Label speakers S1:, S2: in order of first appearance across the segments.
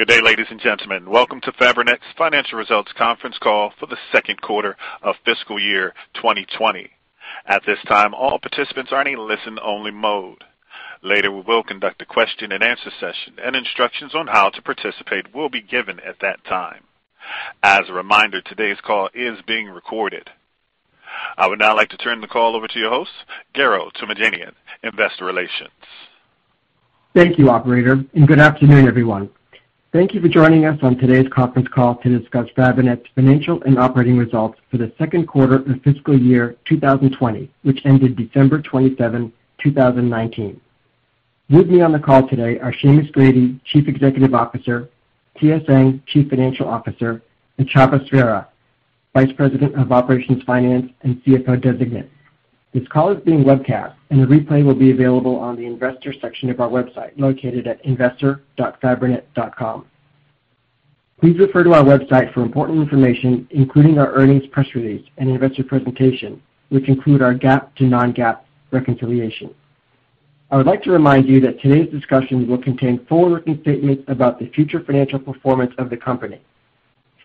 S1: Good day, ladies and gentlemen. Welcome to Fabrinet's financial results conference call for the second quarter of fiscal year 2020. At this time, all participants are in a listen-only mode. Later, we will conduct a question and answer session, and instructions on how to participate will be given at that time. As a reminder, today's call is being recorded. I would now like to turn the call over to your host, Garo Toomajanian, Investor Relations.
S2: Thank you, operator, good afternoon, everyone. Thank you for joining us on today's conference call to discuss Fabrinet's financial and operating results for the second quarter of fiscal year 2020, which ended December 27, 2019. With me on the call today are Seamus Grady, Chief Executive Officer, TS Ng, Chief Financial Officer, and Csaba Sverha, Vice President of Operations, Finance and CFO Designate. This call is being webcast, and a replay will be available on the investor section of our website located at investor.fabrinet.com. Please refer to our website for important information, including our earnings, press release, and investor presentation, which include our GAAP to non-GAAP reconciliation. I would like to remind you that today's discussions will contain forward-looking statements about the future financial performance of the company.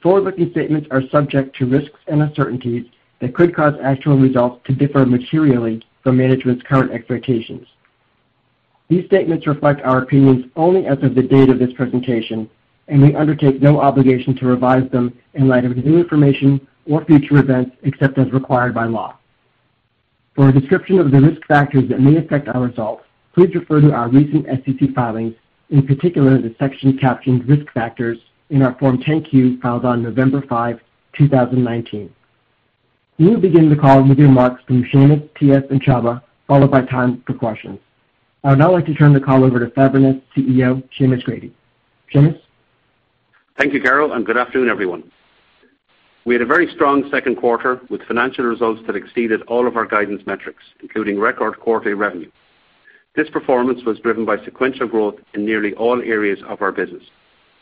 S2: Forward-looking statements are subject to risks and uncertainties that could cause actual results to differ materially from management's current expectations. These statements reflect our opinions only as of the date of this presentation, and we undertake no obligation to revise them in light of new information or future events, except as required by law. For a description of the risk factors that may affect our results, please refer to our recent SEC filings, in particular, the section captioned "Risk Factors" in our Form 10-Q filed on November 5, 2019. We will begin the call with remarks from Seamus, TS, and Csaba, followed by time for questions. I would now like to turn the call over to Fabrinet CEO, Seamus Grady. Seamus?
S3: Thank you, Garo, Good afternoon, everyone. We had a very strong second quarter with financial results that exceeded all of our guidance metrics, including record quarterly revenue. This performance was driven by sequential growth in nearly all areas of our business.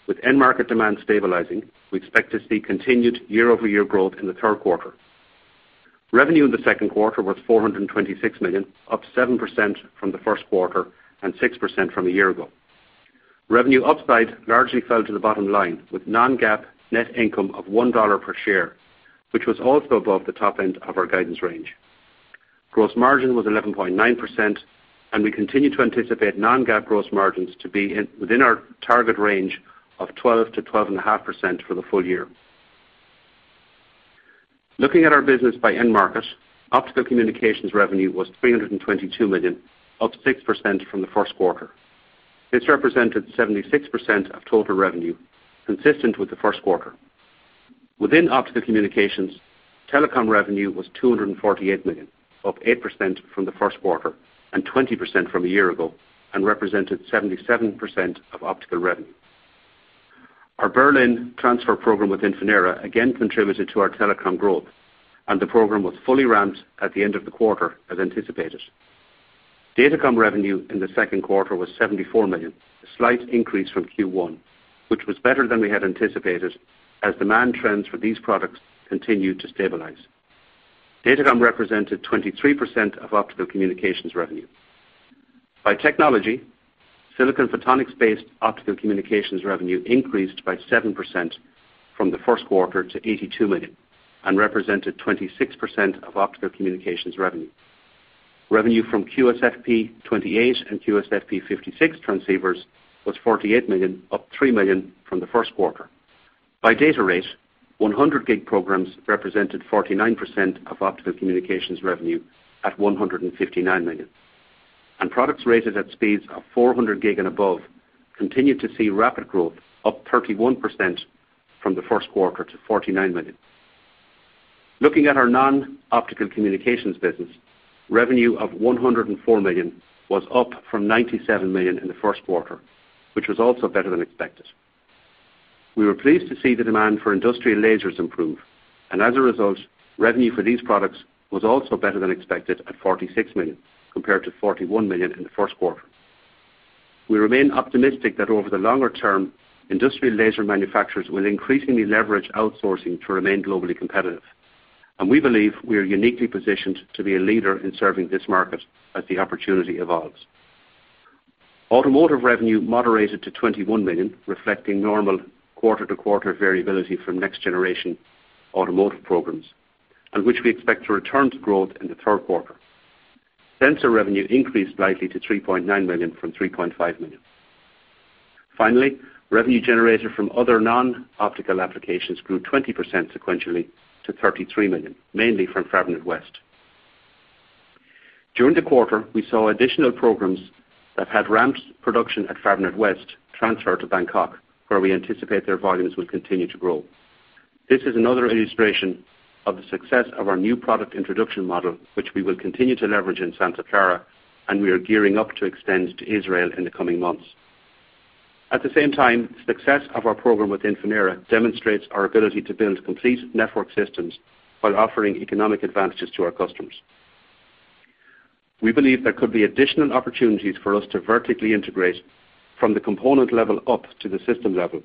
S3: With end market demand stabilizing, we expect to see continued year-over-year growth in the third quarter. Revenue in the second quarter was $426 million, up 7% from the first quarter and 6% from a year ago. Revenue upside largely fell to the bottom line with non-GAAP net income of $1 per share, which was also above the top end of our guidance range. Gross margin was 11.9%, and we continue to anticipate non-GAAP gross margins to be within our target range of 12%-12.5% for the full year. Looking at our business by end market, optical communications revenue was $322 million, up 6% from the first quarter. This represented 76% of total revenue, consistent with the first quarter. Within optical communications, Telecom revenue was $248 million, up 8% from the first quarter and 20% from a year ago, and represented 77% of optical revenue. Our Berlin Transfer Program with Infinera again contributed to our telecom growth. The program was fully ramped at the end of the quarter as anticipated. Datacom revenue in the second quarter was $74 million, a slight increase from Q1, which was better than we had anticipated as demand trends for these products continued to stabilize. Datacom represented 23% of optical communications revenue. By technology, silicon photonics-based optical communications revenue increased by 7% from the first quarter to $82 million and represented 26% of optical communications revenue. Revenue from QSFP28 and QSFP56 transceivers was $48 million, up $3 million from the first quarter. By data rate, 100 Gig programs represented 49% of optical communications revenue at $159 million. Products rated at speeds of 400G and above continued to see rapid growth, up 31% from the first quarter to $49 million. Looking at our non-optical communications business, revenue of $104 million was up from $97 million in the first quarter, which was also better than expected. We were pleased to see the demand for industrial lasers improve. As a result, revenue for these products was also better than expected at $46 million compared to $41 million in the first quarter. We remain optimistic that over the longer term, industrial laser manufacturers will increasingly leverage outsourcing to remain globally competitive, and we believe we are uniquely positioned to be a leader in serving this market as the opportunity evolves. Automotive revenue moderated to $21 million, reflecting normal quarter-to-quarter variability from next generation automotive programs, and which we expect to return to growth in the third quarter. Sensor revenue increased slightly to $3.9 million from $3.5 million. Finally, revenue generated from other non-optical applications grew 20% sequentially to $33 million, mainly from Fabrinet West. During the quarter, we saw additional programs that had ramped production at Fabrinet West transfer to Bangkok, where we anticipate their volumes will continue to grow. This is another illustration of the success of our new product introduction model, which we will continue to leverage in Santa Clara, and we are gearing up to extend to Israel in the coming months. At the same time, success of our program with Infinera demonstrates our ability to build complete network systems while offering economic advantages to our customers. We believe there could be additional opportunities for us to vertically integrate from the component level up to the system level.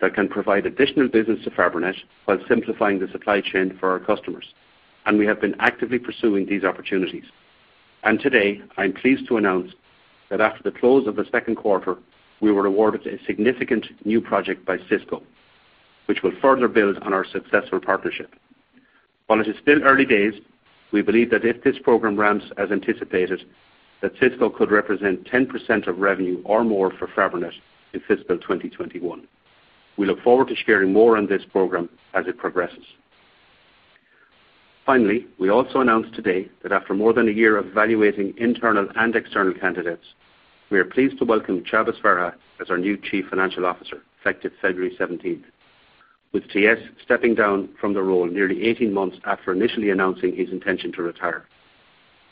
S3: That can provide additional business to Fabrinet while simplifying the supply chain for our customers. We have been actively pursuing these opportunities. Today, I'm pleased to announce that after the close of the second quarter, we were awarded a significant new project by Cisco, which will further build on our successful partnership. While it is still early days, we believe that if this program ramps as anticipated, that Cisco could represent 10% of revenue or more for Fabrinet in fiscal 2021. We look forward to sharing more on this program as it progresses. Finally, we also announced today that after more than a year of evaluating internal and external candidates, we are pleased to welcome Csaba Sverha as our new Chief Financial Officer, effective February 17th, with TS stepping down from the role nearly 18 months after initially announcing his intention to retire.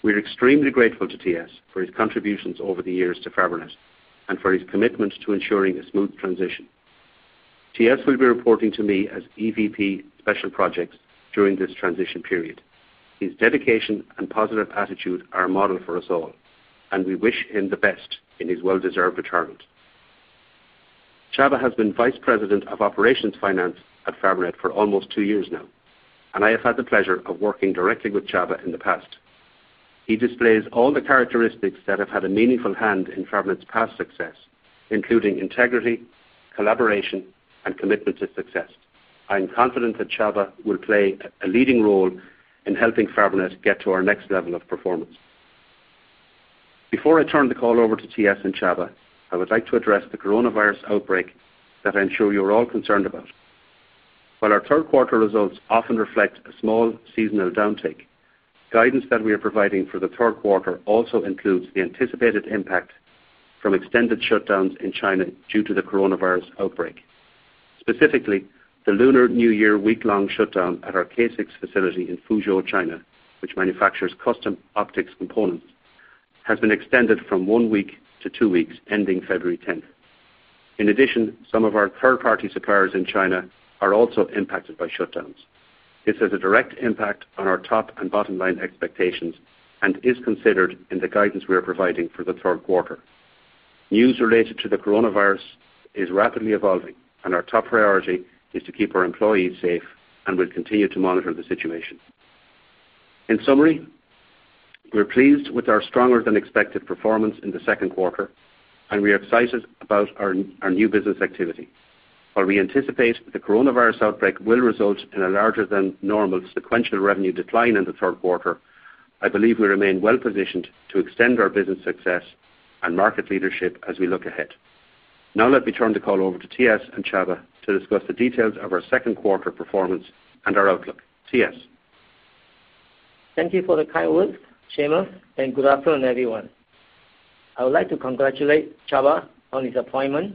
S3: We're extremely grateful to TS for his contributions over the years to Fabrinet and for his commitment to ensuring a smooth transition. TS will be reporting to me as EVP Special Projects during this transition period. His dedication and positive attitude are a model for us all, and we wish him the best in his well-deserved retirement. Csaba has been Vice President of Operations Finance at Fabrinet for almost two years now, and I have had the pleasure of working directly with Csaba in the past. He displays all the characteristics that have had a meaningful hand in Fabrinet's past success, including integrity, collaboration, and commitment to success. I am confident that Csaba will play a leading role in helping Fabrinet get to our next level of performance. Before I turn the call over to TS and Csaba, I would like to address the coronavirus outbreak that I am sure you are all concerned about. While our third quarter results often reflect a small seasonal downtick, guidance that we are providing for the third quarter also includes the anticipated impact from extended shutdowns in China due to the coronavirus outbreak. Specifically, the Lunar New Year week-long shutdown at our K6 facility in Fuzhou, China, which manufactures custom optics components, has been extended from one week to two weeks, ending February 10th. In addition, some of our third-party suppliers in China are also impacted by shutdowns. This has a direct impact on our top and bottom line expectations and is considered in the guidance we are providing for the third quarter. News related to the coronavirus is rapidly evolving. Our top priority is to keep our employees safe. We'll continue to monitor the situation. In summary, we're pleased with our stronger than expected performance in the second quarter. We are excited about our new business activity. While we anticipate that the coronavirus outbreak will result in a larger than normal sequential revenue decline in the third quarter, I believe we remain well positioned to extend our business success and market leadership as we look ahead. Now let me turn the call over to TS and Csaba to discuss the details of our second quarter performance and our outlook. TS?
S4: Thank you for the kind words, Seamus, and good afternoon, everyone. I would like to congratulate Csaba on his appointment,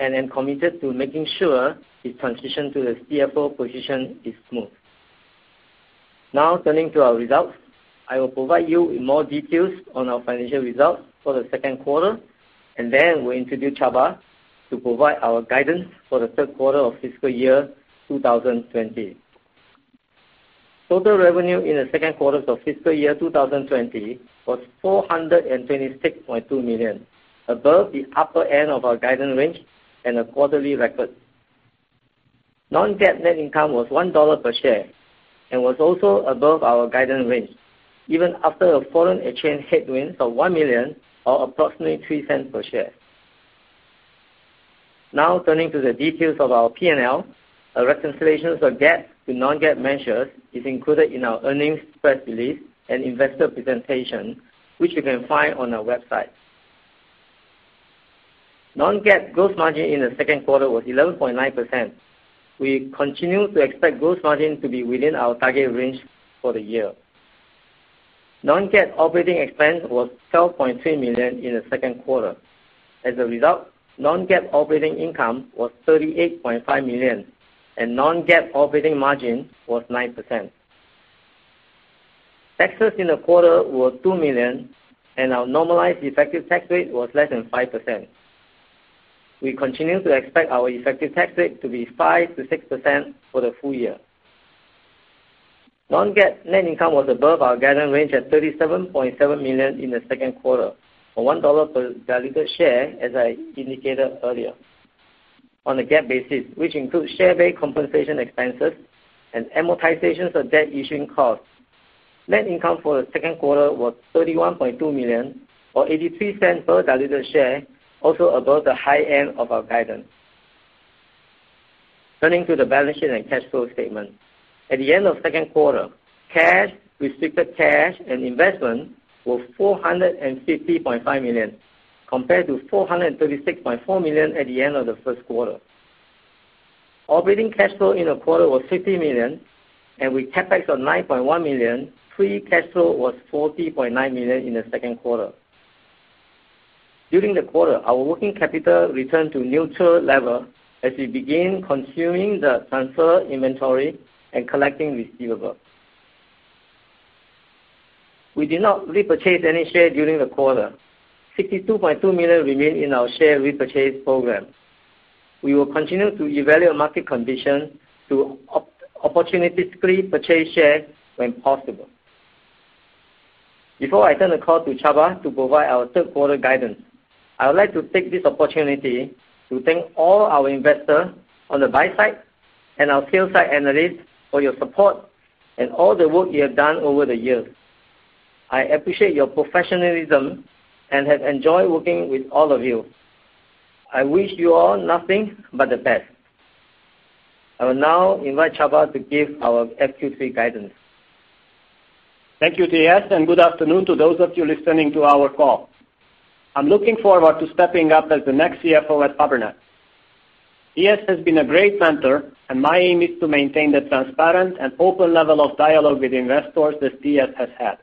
S4: and I'm committed to making sure his transition to the CFO position is smooth. Now turning to our results. I will provide you with more details on our financial results for the second quarter, and then we'll introduce Csaba to provide our guidance for the third quarter of fiscal year 2020. Total revenue in the second quarter of fiscal year 2020 was $426.2 million, above the upper end of our guidance range and a quarterly record. Non-GAAP net income was $1 per share and was also above our guidance range, even after a foreign exchange headwind of $1 million or approximately $0.03 per share. Now turning to the details of our P&L. A reconciliation of the GAAP to non-GAAP measures is included in our earnings press release and investor presentation, which you can find on our website. Non-GAAP gross margin in the second quarter was 11.9%. We continue to expect gross margin to be within our target range for the year. Non-GAAP operating expense was $12.3 million in the second quarter. As a result, non-GAAP operating income was $38.5 million, and non-GAAP operating margin was 9%. Taxes in the quarter were $2 million, and our normalized effective tax rate was less than 5%. We continue to expect our effective tax rate to be 5%-6% for the full year. Non-GAAP net income was above our guidance range at $37.7 million in the second quarter, or $1 per diluted share, as I indicated earlier. On a GAAP basis, which includes share-based compensation expenses and amortizations of debt issuing costs, net income for the second quarter was $31.2 million or $0.83 per diluted share, also above the high end of our guidance. Turning to the balance sheet and cash flow statement. At the end of second quarter, cash, restricted cash, and investments were $450.5 million, compared to $436.4 million at the end of the first quarter. Operating cash flow in the quarter was $50 million, and with CapEx of $9.1 million, free cash flow was $40.9 million in the second quarter. During the quarter, our working capital returned to neutral level as we began consuming the transfer inventory and collecting receivables. We did not repurchase any shares during the quarter. $62.2 million remain in our share repurchase program. We will continue to evaluate market conditions to opportunistically purchase shares when possible. Before I turn the call to Csaba to provide our third quarter guidance, I would like to take this opportunity to thank all our investors on the buy side and our sell side analysts for your support and all the work you have done over the years. I appreciate your professionalism and have enjoyed working with all of you. I wish you all nothing but the best. I will now invite Csaba to give our FQ3 guidance.
S5: Thank you, TS, and good afternoon to those of you listening to our call. I'm looking forward to stepping up as the next CFO at Fabrinet. TS has been a great mentor, and my aim is to maintain the transparent and open level of dialogue with investors that TS has had.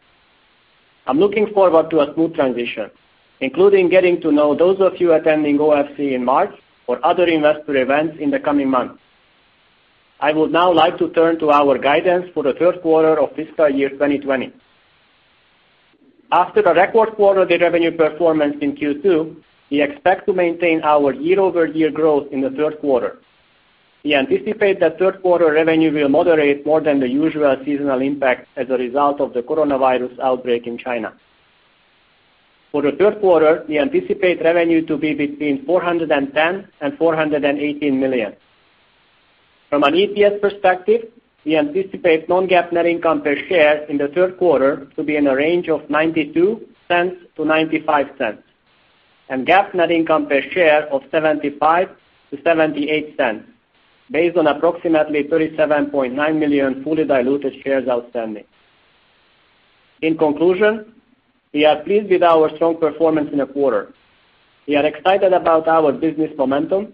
S5: I'm looking forward to a smooth transition, including getting to know those of you attending OFC in March or other investor events in the coming months. I would now like to turn to our guidance for the third quarter of fiscal year 2020. After a record quarter, the revenue performance in Q2, we expect to maintain our year-over-year growth in the third quarter. We anticipate that third-quarter revenue will moderate more than the usual seasonal impact as a result of the coronavirus outbreak in China. For the third quarter, we anticipate revenue to be between $410 million and $418 million. From an EPS perspective, we anticipate non-GAAP net income per share in the third quarter to be in a range of $0.92-$0.95, and GAAP net income per share of $0.75-$0.78, based on approximately 37.9 million fully diluted shares outstanding. In conclusion, we are pleased with our strong performance in a quarter. We are excited about our business momentum,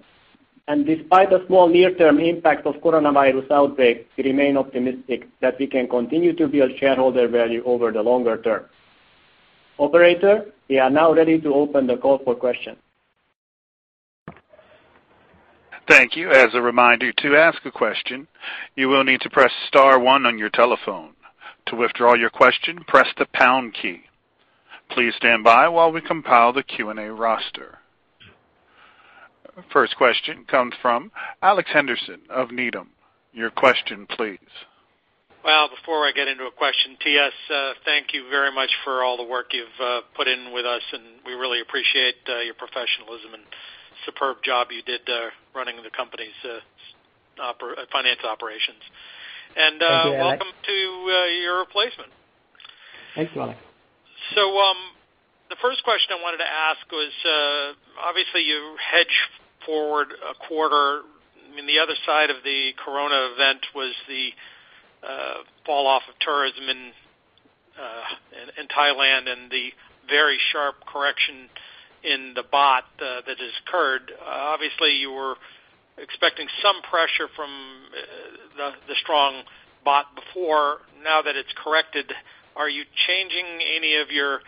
S5: despite the small near-term impact of coronavirus outbreak, we remain optimistic that we can continue to build shareholder value over the longer term. Operator, we are now ready to open the call for questions.
S1: Thank you. As a reminder, to ask a question, you will need to press star one on your telephone. To withdraw your question, press the pound key. Please stand by while we compile the Q&A roster. First question comes from Alex Henderson of Needham. Your question, please.
S6: Well, before I get into a question, TS, thank you very much for all the work you've put in with us, and we really appreciate your professionalism and superb job you did there running the company's finance operations.
S4: Thank you, Alex.
S6: Welcome to your replacement.
S5: Thanks, Alex.
S6: The first question I wanted to ask was, obviously, you hedge forward a quarter. I mean, the other side of the coronavirus event was the falloff of tourism in Thailand and the very sharp correction in the baht that has occurred. Obviously, you were expecting some pressure from the strong baht before. Now that it's corrected, are you changing any of your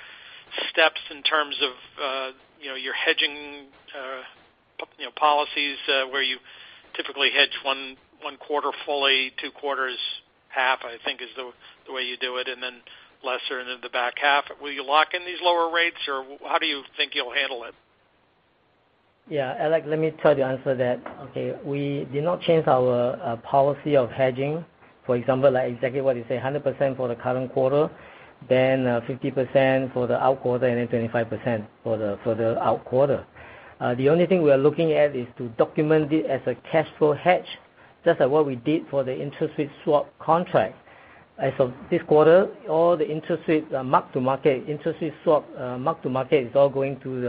S6: steps in terms of your hedging policies where you typically hedge one quarter fully, two quarters half, I think is the way you do it, and then lesser in the back half? Will you lock in these lower rates, or how do you think you'll handle it?
S4: Alex, let me try to answer that. Okay. We did not change our policy of hedging. For example, like exactly what you say, 100% for the current quarter, then 50% for the out quarter, and then 25% for the out quarter. The only thing we are looking at is to document it as a cash flow hedge, just like what we did for the interest rate swap contract. As of this quarter, all the mark-to-market interest rate swap is all going to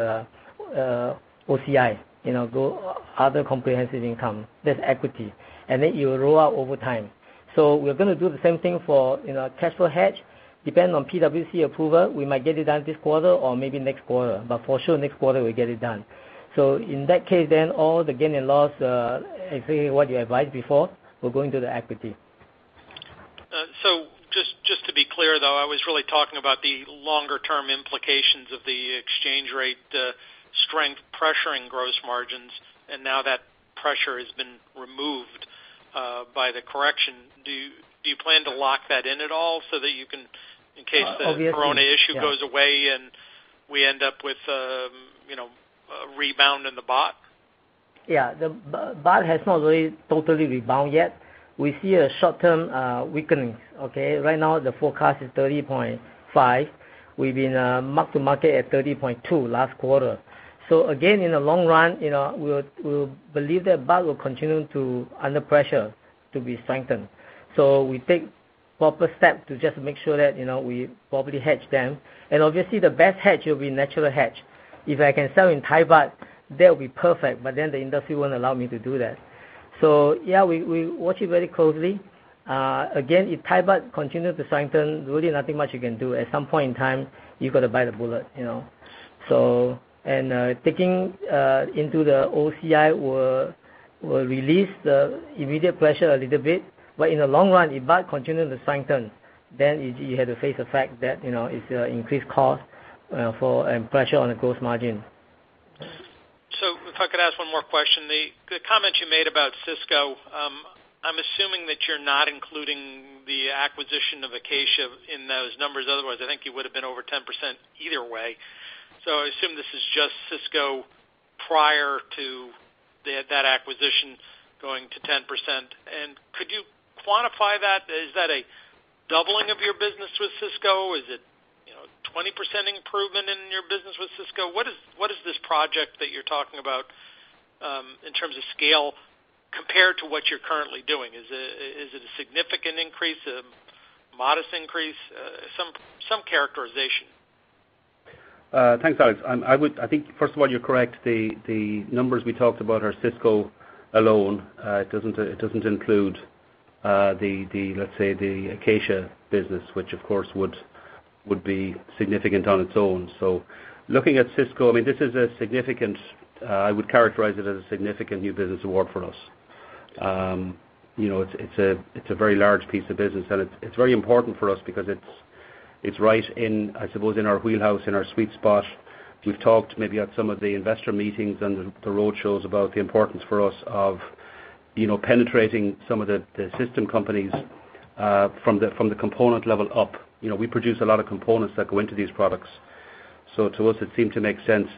S4: the OCI, other comprehensive income. That's equity. Then it will roll out over time. We're going to do the same thing for cash flow hedge. Depending on PwC approval, we might get it done this quarter or maybe next quarter. For sure, next quarter, we'll get it done. In that case, all the gain and loss, exactly what you advised before, will go into the equity.
S6: Just to be clear, though, I was really talking about the longer-term implications of the exchange rate strength pressuring gross margins, and now that pressure has been removed by the correction. Do you plan to lock that in at all so that you can, in case the coronavirus issue goes away, and we end up with a rebound in the baht?
S4: Yeah. The baht has not really totally rebound yet. We see a short-term weakening, okay. Right now, the forecast is $30.5. We've been mark-to-market at $30.2 last quarter. Again, in the long run, we believe that baht will continue to, under pressure, to be strengthened. So we take proper steps to just make sure that we properly hedge them. Obviously, the best hedge will be natural hedge. If I can sell in Thai baht, that would be perfect, but then the industry won't allow me to do that. Yeah, we watch it very closely. Again, if Thai baht continues to strengthen, really nothing much you can do. At some point in time, you've got to bite the bullet. Taking into the OCI will release the immediate pressure a little bit. In the long run, if baht continues to strengthen, then you have to face the fact that it's increased cost for pressure on the gross margin.
S6: If I could ask one more question. The comment you made about Cisco, I'm assuming that you're not including the acquisition of Acacia in those numbers. Otherwise, I think you would have been over 10% either way. I assume this is just Cisco prior to that acquisition going to 10%. Could you quantify that? Is that a doubling of your business with Cisco? Is it 20% improvement in your business with Cisco? What is this project that you're talking about, in terms of scale, compared to what you're currently doing? Is it a significant increase, a modest increase? Some characterization.
S3: Thanks, Alex. I think, first of all, you're correct. The numbers we talked about are Cisco alone. It doesn't include, let's say, the Acacia business, which, of course, would be significant on its own. Looking at Cisco, I would characterize it as a significant new business award for us. It's a very large piece of business, and it's very important for us because it's right in, I suppose, in our wheelhouse, in our sweet spot. We've talked maybe at some of the investor meetings and the road shows about the importance for us of penetrating some of the system companies from the component level up. We produce a lot of components that go into these products. To us, it seemed to make sense,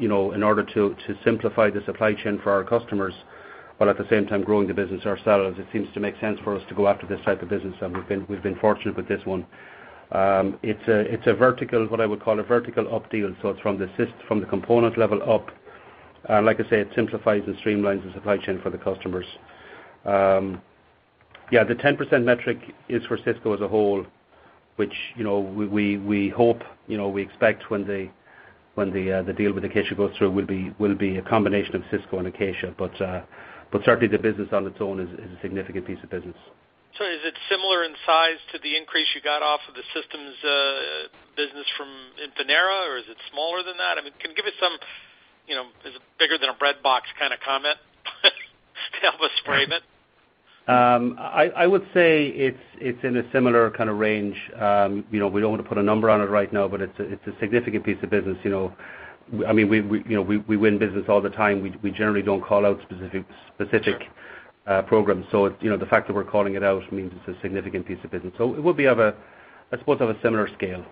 S3: in order to simplify the supply chain for our customers, while at the same time growing the business ourselves, it seems to make sense for us to go after this type of business, and we've been fortunate with this one. It's what I would call a vertical up deal, so it's from the component level up. Like I say, it simplifies and streamlines the supply chain for the customers. Yeah, the 10% metric is for Cisco as a whole, which, we expect when the deal with Acacia goes through, will be a combination of Cisco and Acacia. Certainly the business on its own is a significant piece of business.
S6: Is it similar in size to the increase you got off of the systems business from Infinera, or is it smaller than that? Can you give us some, is it bigger than a breadbox kind of comment? Help us frame it.
S3: I would say it's in a similar kind of range. We don't want to put a number on it right now, but it's a significant piece of business. We win business all the time. We generally don't call out specific programs. The fact that we're calling it out means it's a significant piece of business. It would be, I suppose, of a similar scale.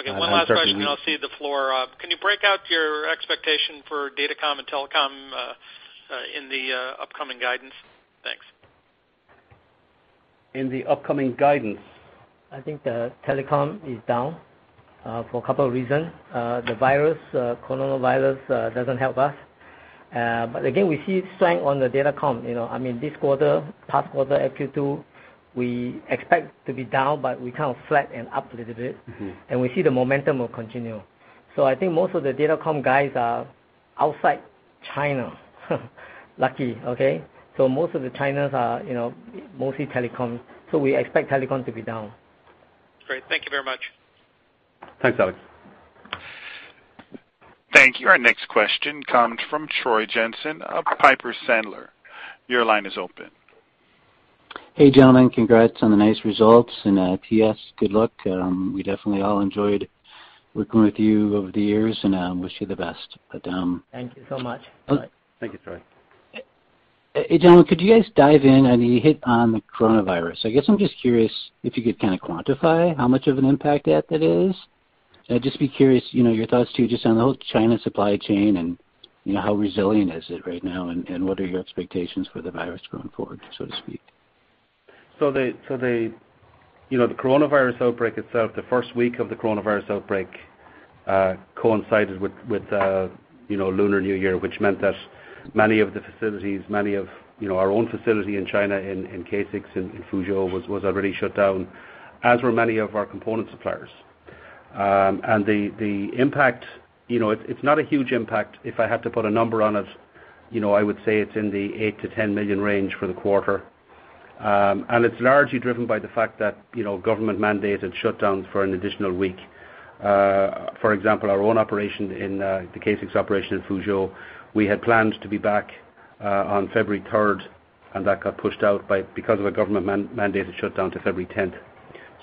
S6: Okay. One last question, then I'll cede the floor. Can you break out your expectation for Datacom and Telecom in the upcoming guidance? Thanks.
S3: In the upcoming guidance
S4: I think the Telecom is down, for a couple of reasons. The coronavirus doesn't help us. Again, we see strength on the Datacom. This quarter, past quarter, FQ2, we expect to be down, but we kind of flat and up a little bit. We see the momentum will continue. I think most of the Datacom guys are outside China. Lucky. Okay? Most of the China's are mostly Telecom. We expect Telecom to be down.
S6: Great. Thank you very much.
S3: Thanks, Alex.
S1: Thank you. Our next question comes from Troy Jensen of Piper Sandler. Your line is open.
S7: Hey, gentlemen. Congrats on the nice results and TS, good luck. We definitely all enjoyed working with you over the years, and I wish you the best.
S4: Thank you so much.
S3: Thank you, Troy.
S7: Hey, gentlemen, could you guys dive in, I know you hit on the coronavirus. I guess I'm just curious if you could kind of quantify how much of an impact that is? I'd just be curious, your thoughts too, just on the whole China supply chain and how resilient is it right now, and what are your expectations for the virus going forward, so to speak?
S3: The coronavirus outbreak itself, the first week of the coronavirus outbreak, coincided with Lunar New Year, which meant that many of the facilities, our own facility in China, in K6, in Fuzhou, was already shut down, as were many of our component suppliers. The impact, it is not a huge impact. If I had to put a number on it, I would say it is in the $8 million-$10 million range for the quarter. It is largely driven by the fact that government-mandated shutdowns for an additional week. For example, our own operation, the K6 operation in Fuzhou, we had planned to be back on February 3rd, and that got pushed out because of a government-mandated shutdown to February 10th.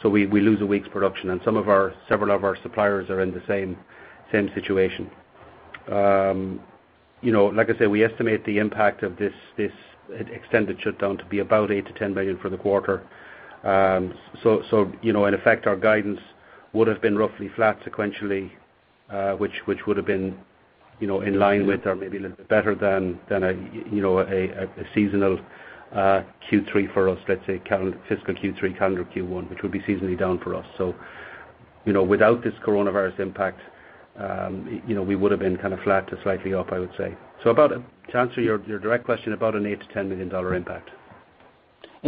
S3: We lose a week's production, and several of our suppliers are in the same situation. Like I said, we estimate the impact of this extended shutdown to be about $8 million-$10 million for the quarter. In effect, our guidance would've been roughly flat sequentially, which would've been in line with or maybe a little bit better than a seasonal Q3 for us, let's say fiscal Q3, calendar Q1, which would be seasonally down for us. Without this coronavirus impact, we would've been kind of flat to slightly up, I would say. To answer your direct question, about an $8 million-$10 million impact.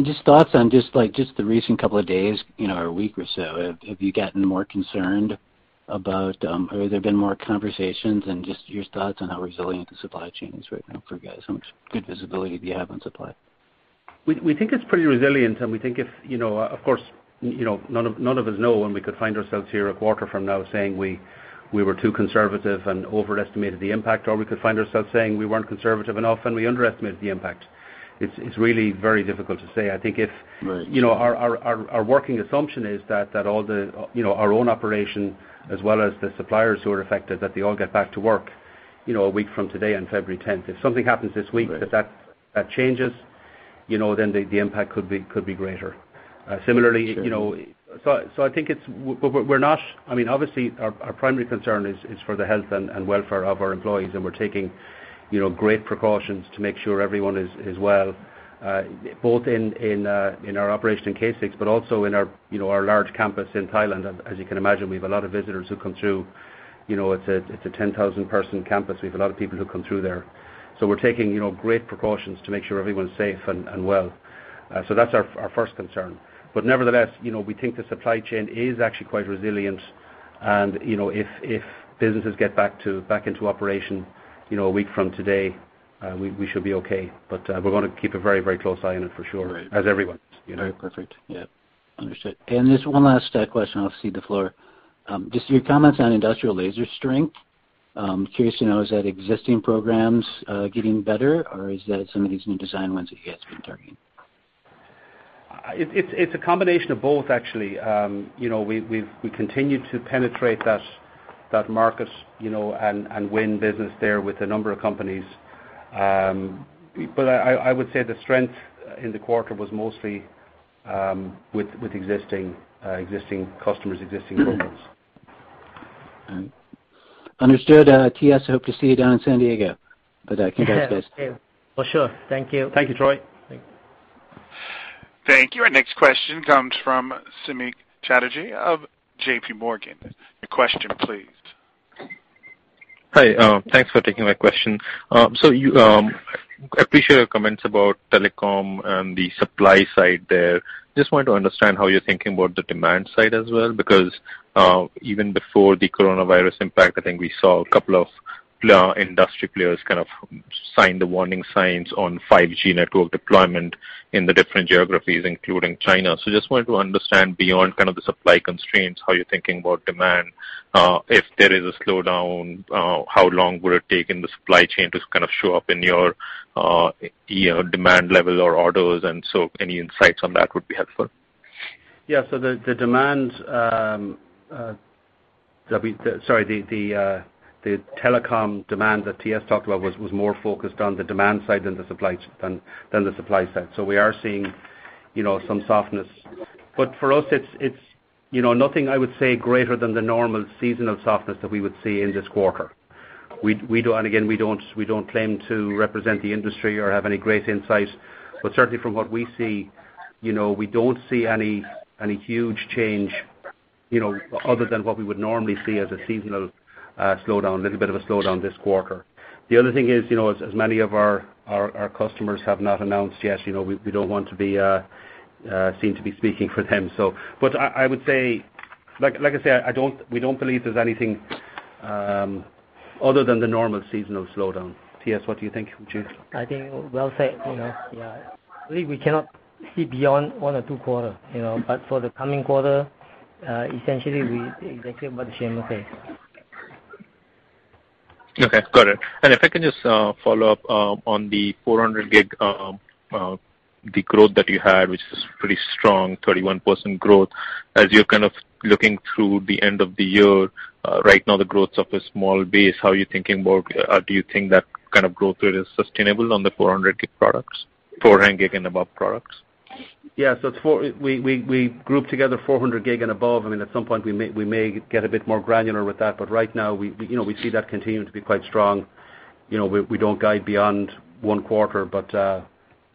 S7: Just thoughts on the recent couple of days or a week or so? Have you gotten more concerned about, or have there been more conversations, and just your thoughts on how resilient the supply chain is right now for you guys? How much good visibility do you have on supply?
S3: We think it's pretty resilient, and we think if, of course, none of us know when we could find ourselves here a quarter from now saying we were too conservative and overestimated the impact, or we could find ourselves saying we weren't conservative enough and we underestimated the impact. It's really very difficult to say.
S7: Right.
S3: Our working assumption is that all our own operation as well as the suppliers who are affected, that they all get back to work a week from today on February 10th. If something happens this week that changes the impact could be greater.
S7: Sure.
S3: I think we're not Obviously, our primary concern is for the health and welfare of our employees, and we're taking great precautions to make sure everyone is well, both in our operation in Casix, but also in our large campus in Thailand. As you can imagine, we have a lot of visitors who come through. It's a 10,000-person campus. We have a lot of people who come through there. We're taking great precautions to make sure everyone's safe and well. That's our first concern. Nevertheless, we think the supply chain is actually quite resilient, and if businesses get back into operation a week from today, we should be okay. We're going to keep a very close eye on it for sure as everyone.
S7: Right. No, perfect. Yep. Understood. Just one last question, I'll cede the floor. Just your comments on industrial laser strength. Curious to know, is that existing programs getting better or is that some of these new design ones that TS been targeting?
S3: It's a combination of both actually. We continue to penetrate that market and win business there with a number of companies. I would say the strength in the quarter was mostly with existing customers, existing programs.
S7: Understood. TS, I hope to see you down in San Diego. Congrats guys.
S4: For sure. Thank you.
S3: Thank you, Troy.
S7: Thanks.
S1: Thank you. Our next question comes from Samik Chatterjee of JPMorgan. Your question please.
S8: Hi. Thanks for taking my question. I appreciate your comments about Telecom and the supply side there. Just wanted to understand how you're thinking about the demand side as well, because, even before the coronavirus impact, I think we saw a couple of industry players kind of sign the warning signs on 5G network deployment in the different geographies, including China. Just wanted to understand beyond kind of the supply constraints, how you're thinking about demand. If there is a slowdown, how long would it take in the supply chain to kind of show up in your demand level or orders, any insights on that would be helpful.
S3: Yeah. The Telecom demand that TS talked about was more focused on the demand side than the supply side. We are seeing some softness. For us, it's nothing I would say greater than the normal seasonal softness that we would see in this quarter. Again, we don't claim to represent the industry or have any great insight, but certainly from what we see, we don't see any huge change, other than what we would normally see as a seasonal little bit of a slowdown this quarter. The other thing is as many of our customers have not announced yet, we don't want to be seen to be speaking for them. Like I said, we don't believe there's anything other than the normal seasonal slowdown. TS, what do you think?
S4: I think well said. Yeah. I believe we cannot see beyond one or two quarter. For the coming quarter, essentially exactly what Seamus was saying.
S8: Okay. Got it. If I can just follow up, on the 400 Gig, the growth that you had, which is pretty strong, 31% growth. As you're kind of looking through the end of the year, right now the growth's off a small base. Do you think that kind of growth rate is sustainable on the 400 Gig and above products?
S3: Yeah. We grouped together 400 Gig and above. At some point we may get a bit more granular with that, but right now we see that continuing to be quite strong. We don't guide beyond one quarter, but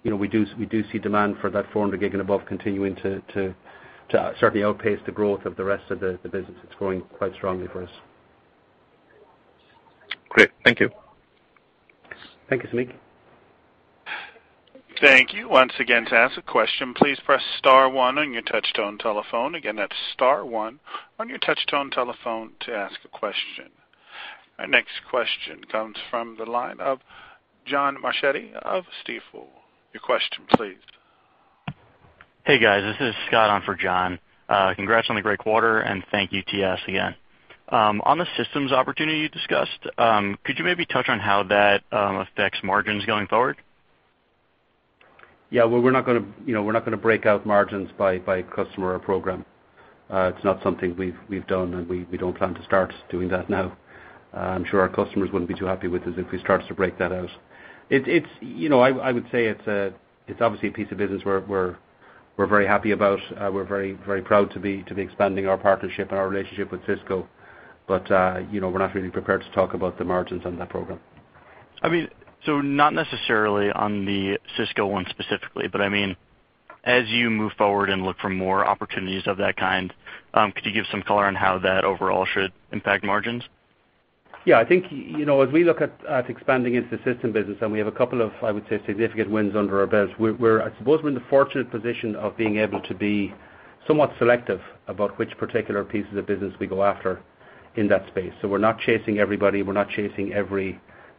S3: we do see demand for that 400 Gig and above continuing to certainly outpace the growth of the rest of the business. It's growing quite strongly for us.
S8: Great. Thank you.
S3: Thank you, Samik.
S1: Thank you. Once again, to ask a question, please press star one on your touchtone telephone. Again, that's star one on your touchtone telephone to ask a question. Our next question comes from the line of John Marchetti of Stifel. Your question please.
S9: Hey, guys. This is Scott on for John. Congrats on the great quarter. Thank you TS again. On the systems opportunity you discussed, could you maybe touch on how that affects margins going forward?
S3: Yeah. Well, we're not gonna break out margins by customer or program. It's not something we've done, and we don't plan to start doing that now. I'm sure our customers wouldn't be too happy with us if we started to break that out. I would say it's obviously a piece of business where we're very happy about. We're very proud to be expanding our partnership and our relationship with Cisco. We're not really prepared to talk about the margins on that program.
S9: Not necessarily on the Cisco one specifically, but as you move forward and look for more opportunities of that kind, could you give some color on how that overall should impact margins?
S3: Yeah, I think as we look at expanding into the system business and we have a couple of, I would say, significant wins under our belt, I suppose we're in the fortunate position of being able to be somewhat selective about which particular pieces of business we go after in that space. We're not chasing everybody.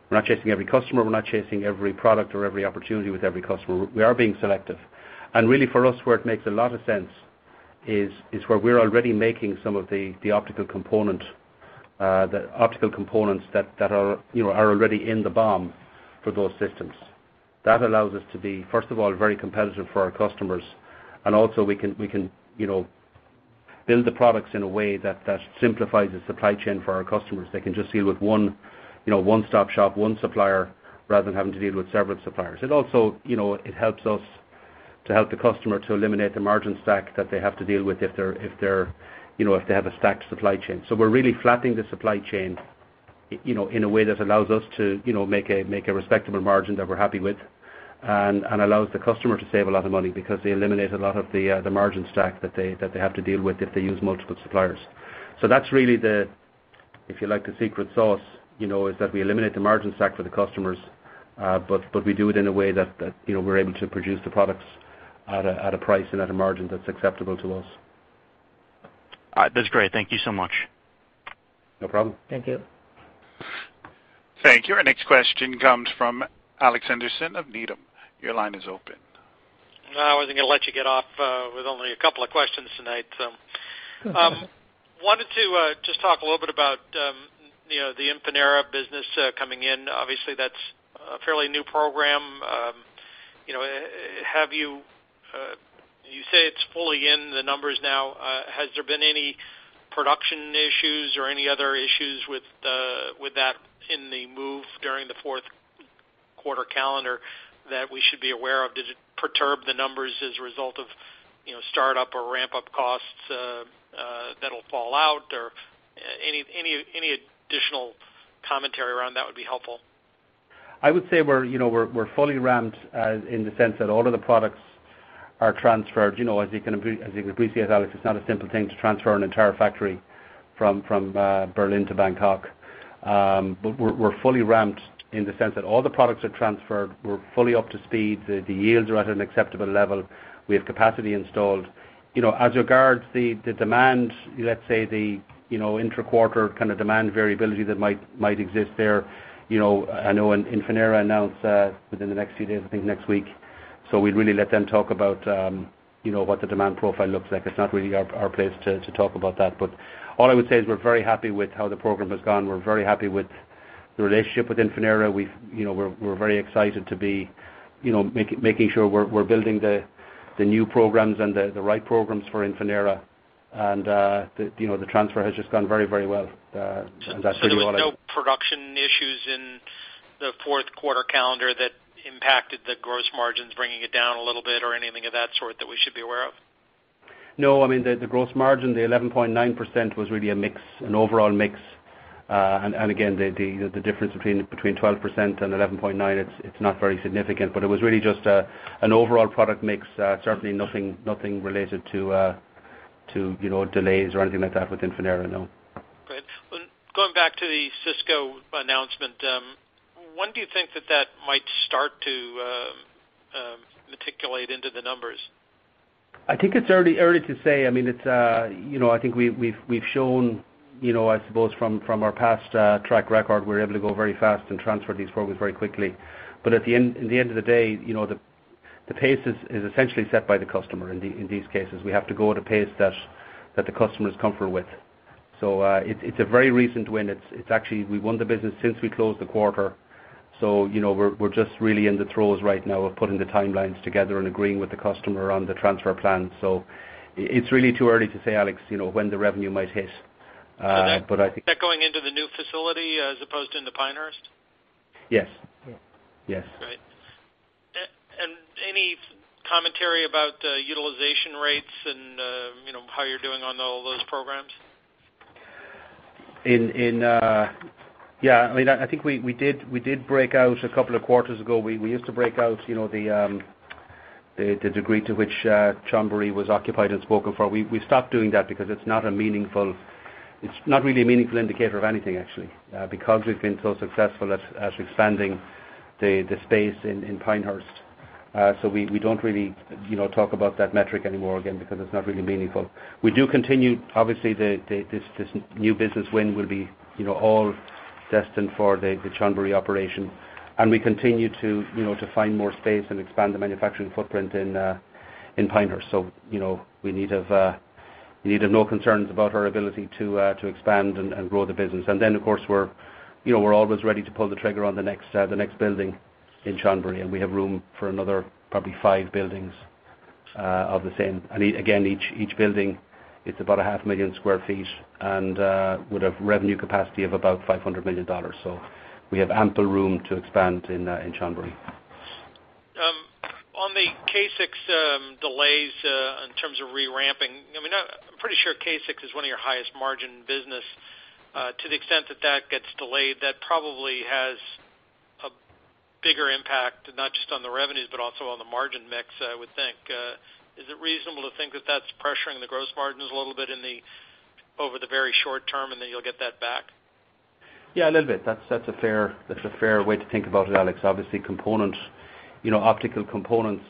S3: We're not chasing every customer. We're not chasing every product or every opportunity with every customer. We are being selective. Really for us where it makes a lot of sense is where we're already making some of the optical components that are already in the BOM for those systems. That allows us to be, first of all, very competitive for our customers, and also we can build the products in a way that simplifies the supply chain for our customers. They can just deal with one stop shop, one supplier, rather than having to deal with several suppliers. It also helps us to help the customer to eliminate the margin stack that they have to deal with if they have a stacked supply chain. We're really flattening the supply chain, in a way that allows us to make a respectable margin that we're happy with, and allows the customer to save a lot of money because they eliminate a lot of the margin stack that they have to deal with if they use multiple suppliers. That's really the, if you like, the secret sauce, is that we eliminate the margin stack for the customers, but we do it in a way that we're able to produce the products at a price and at a margin that's acceptable to us.
S9: All right. That's great. Thank you so much.
S3: No problem.
S4: Thank you.
S1: Thank you. Our next question comes from Alex Henderson of Needham. Your line is open.
S6: I wasn't going to let you get off with only a couple of questions tonight. I wanted to just talk a little bit about the Infinera business coming in. Obviously, that's a fairly new program. You say it's fully in the numbers now. Has there been any production issues or any other issues with that in the move during the fourth quarter calendar that we should be aware of? Does it perturb the numbers as a result of start-up or ramp-up costs that'll fall out or any additional commentary around that would be helpful.
S3: I would say we're fully ramped in the sense that all of the products are transferred. As you can appreciate, Alex, it's not a simple thing to transfer an entire factory from Berlin to Bangkok. We're fully ramped in the sense that all the products are transferred, we're fully up to speed, the yields are at an acceptable level. We have capacity installed. As regards the demand, let's say the intra-quarter kind of demand variability that might exist there. I know when Infinera announced within the next few days, I think next week. We'd really let them talk about what the demand profile looks like. It's not really our place to talk about that. All I would say is we're very happy with how the program has gone. We're very happy with the relationship with Infinera. We're very excited to be making sure we're building the new programs and the right programs for Infinera. The transfer has just gone very well.
S6: There was no production issues in the fourth quarter calendar that impacted the gross margins, bringing it down a little bit or anything of that sort that we should be aware of?
S3: No. The gross margin, the 11.9% was really an overall mix. Again, the difference between 12% and 11.9%, it's not very significant, but it was really just an overall product mix. Certainly nothing related to delays or anything like that with Infinera, no.
S6: Good. Well, going back to the Cisco announcement, when do you think that that might start to matriculate into the numbers?
S3: I think it's early to say. I think we've shown, I suppose from our past track record, we're able to go very fast and transfer these programs very quickly. At the end of the day, the pace is essentially set by the customer in these cases. We have to go at a pace that the customer is comfortable with. It's a very recent win. We won the business since we closed the quarter. We're just really in the throes right now of putting the timelines together and agreeing with the customer on the transfer plan. It's really too early to say, Alex, when the revenue might hit.
S6: Is that going into the new facility as opposed in the Pinehurst?
S3: Yes.
S6: Great. Any commentary about utilization rates and how you're doing on all those programs?
S3: Yeah, I think we did break out a couple of quarters ago. We used to break out the degree to which Chonburi was occupied and spoken for. We stopped doing that because it's not really a meaningful indicator of anything actually, because we've been so successful at expanding the space in Pinehurst. We don't really talk about that metric anymore again, because it's not really meaningful. We do continue, obviously, this new business win will be all destined for the Chonburi operation, and we continue to find more space and expand the manufacturing footprint in Pinehurst. We need have no concerns about our ability to expand and grow the business. Of course, we're always ready to pull the trigger on the next building in Chonburi. We have room for another, probably five buildings of the same. Again, each building, it's about a half million square feet and would have revenue capacity of about $500 million. We have ample room to expand in Chonburi.
S6: On the K6 delays, in terms of re-ramping, I'm pretty sure K6 is one of your highest margin business, to the extent that that gets delayed, that probably has a bigger impact, not just on the revenues, but also on the margin mix, I would think. Is it reasonable to think that that's pressuring the gross margins a little bit over the very short term, and then you'll get that back?
S3: A little bit. That's a fair way to think about it, Alex Henderson. Obviously, optical components,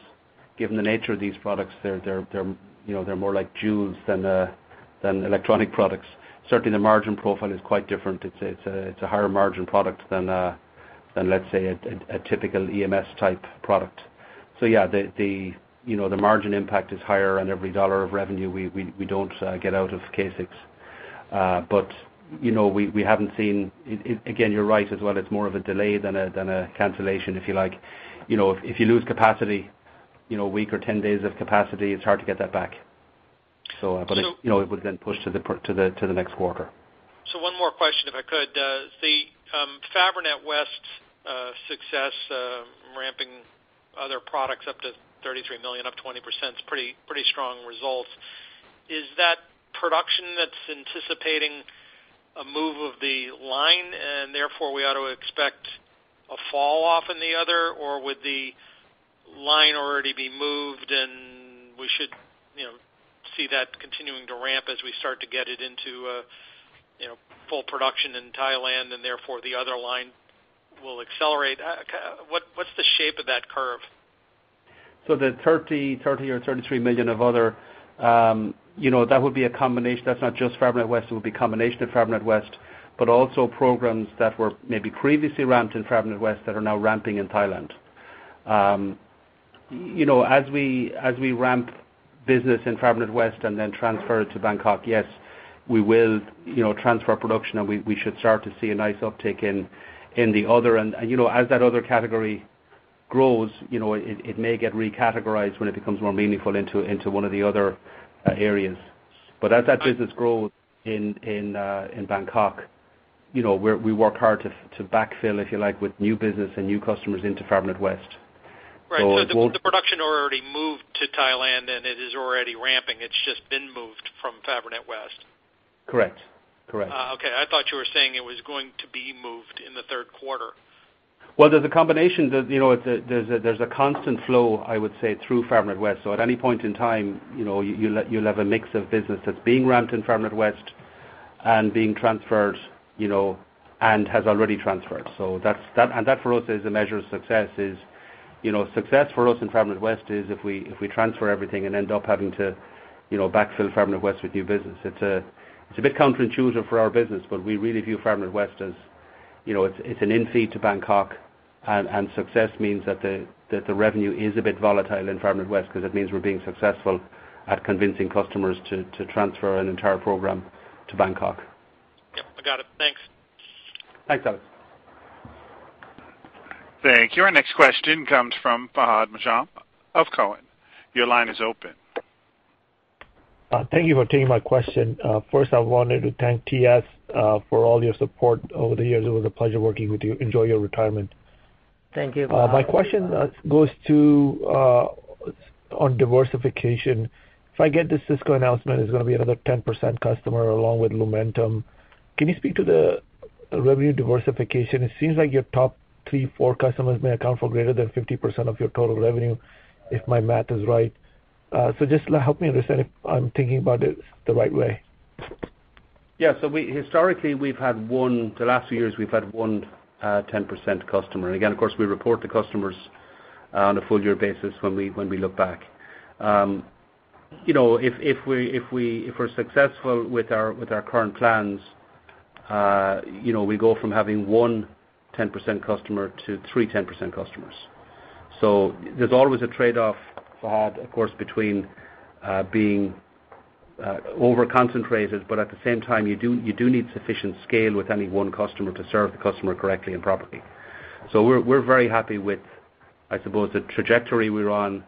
S3: given the nature of these products, they're more like jewels than electronic products. Certainly, the margin profile is quite different. It's a higher margin product than, let's say, a typical EMS type product. The margin impact is higher on every dollar of revenue we don't get out of K6. We haven't seen Again, you're right as well, it's more of a delay than a cancellation, if you like. If you lose capacity, a week or 10 days of capacity, it's hard to get that back.
S6: So.
S3: It would then push to the next quarter.
S6: One more question, if I could. The Fabrinet West's success ramping other products up to 33 million, up 20%, is pretty strong results. Is that production that's anticipating a move of the line, and therefore we ought to expect a fall-off in the other, or would the line already be moved, and we should see that continuing to ramp as we start to get it into full production in Thailand, and therefore the other line will accelerate? What's the shape of that curve?
S3: The $30 million or $33 million of other, that would be a combination. That's not just Fabrinet West. It would be combination of Fabrinet West, but also programs that were maybe previously ramped in Fabrinet West that are now ramping in Thailand. As we ramp business in Fabrinet West and then transfer it to Bangkok, yes, we will transfer production, and we should start to see a nice uptick in the other. As that other category grows, it may get re-categorized when it becomes more meaningful into one of the other areas. As that business grows in Bangkok, we work hard to backfill, if you like, with new business and new customers into Fabrinet West.
S6: Right. The production already moved to Thailand, and it is already ramping. It's just been moved from Fabrinet West.
S3: Correct.
S6: Okay. I thought you were saying it was going to be moved in the third quarter.
S3: There's a combination. There's a constant flow, I would say, through Fabrinet West. At any point in time, you'll have a mix of business that's being ramped in Fabrinet West and being transferred, and has already transferred. That for us is a measure of success for us in Fabrinet West is if we transfer everything and end up having to backfill Fabrinet West with new business. It's a bit counterintuitive for our business, but we really view Fabrinet West as it's an in-feed to Bangkok, and success means that the revenue is a bit volatile in Fabrinet West because it means we're being successful at convincing customers to transfer an entire program to Bangkok.
S6: Yep, I got it. Thanks.
S3: Thanks, Alex.
S1: Thank you. Our next question comes from Fahad Najam of Cowen. Your line is open.
S10: Thank you for taking my question. First, I wanted to thank TS for all your support over the years. It was a pleasure working with you. Enjoy your retirement.
S4: Thank you, Fahad.
S10: My question goes to on diversification. If I get the Cisco announcement, it's going to be another 10% customer along with Lumentum. Can you speak to the revenue diversification? It seems like your top three, four customers may account for greater than 50% of your total revenue, if my math is right. Just help me understand if I'm thinking about it the right way.
S3: Yeah. Historically, we've had one, the last few years, we've had one 10% customer. Again, of course, we report the customers on a full-year basis when we look back. If we're successful with our current plans, we go from having one 10% customer to three 10% customers. There's always a trade-off, Fahad, of course, between being over-concentrated, but at the same time, you do need sufficient scale with any one customer to serve the customer correctly and properly. We're very happy with, I suppose, the trajectory we're on,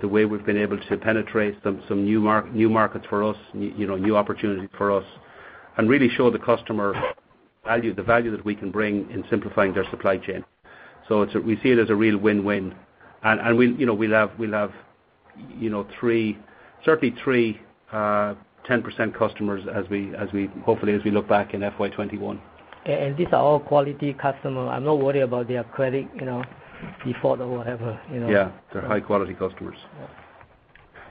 S3: the way we've been able to penetrate some new markets for us, new opportunities for us, and really show the customer the value that we can bring in simplifying their supply chain. We see it as a real win-win. We'll have certainly three 10% customers hopefully as we look back in FY 2021.
S4: These are all quality customer. I'm not worried about their credit default or whatever.
S3: Yeah. They're high-quality customers.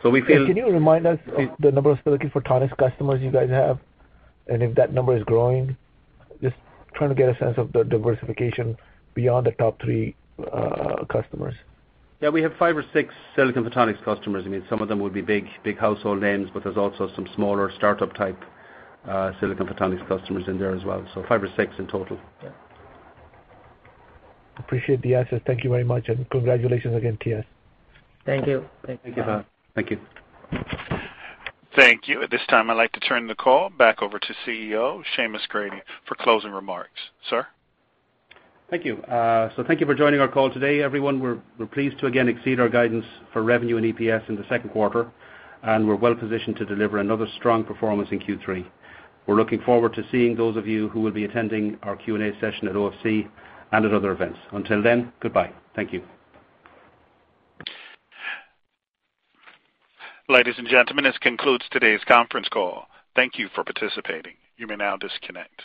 S10: Can you remind us the number of silicon photonics customers you guys have, and if that number is growing? Just trying to get a sense of the diversification beyond the top three customers.
S3: Yeah, we have five or six silicon photonics customers. Some of them would be big household names, but there's also some smaller startup-type silicon photonics customers in there as well. Five or six in total.
S10: Appreciate the answers. Thank you very much, and congratulations again, TS.
S4: Thank you.
S3: Thank you, Fahad. Thank you.
S1: Thank you. At this time, I'd like to turn the call back over to CEO, Seamus Grady, for closing remarks. Sir?
S3: Thank you. Thank you for joining our call today, everyone. We're pleased to again exceed our guidance for revenue and EPS in the second quarter, and we're well-positioned to deliver another strong performance in Q3. We're looking forward to seeing those of you who will be attending our Q&A session at OFC and at other events. Until then, goodbye. Thank you.
S1: Ladies and gentlemen, this concludes today's conference call. Thank you for participating. You may now disconnect.